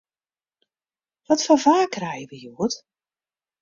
Wat foar waar krije we hjoed?